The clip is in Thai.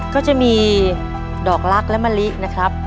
ก็จะมีดอกลักษณ์และมะลินะครับ